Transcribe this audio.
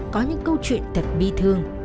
có những câu chuyện thật bi thương